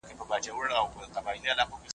ساعت د انتيکو بازار ته وړل کېږي.